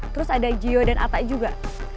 terus ada gio dan atta juga